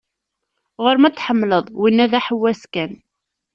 Ɣur-m ad t-tḥemmleḍ, winna d aḥewwas kan.